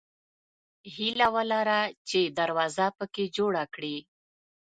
هیله ولره چې دروازه پکې جوړه کړې.